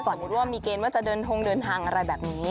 สมมุติว่ามีเกณฑ์ว่าจะเดินทงเดินทางอะไรแบบนี้